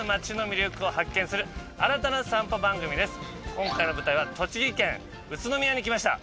今回の舞台は栃木県宇都宮に来ました。